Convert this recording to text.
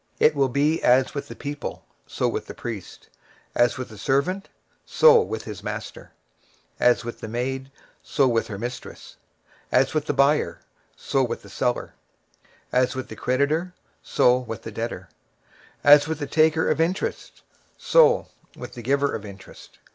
23:024:002 And it shall be, as with the people, so with the priest; as with the servant, so with his master; as with the maid, so with her mistress; as with the buyer, so with the seller; as with the lender, so with the borrower; as with the taker of usury, so with the giver of usury to him.